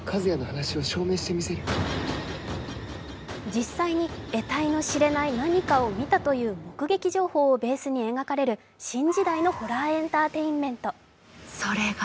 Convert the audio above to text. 実際に得体の知れない何かを見たという目撃情報をベースに描かれる新時代のホラーエンターテインメント。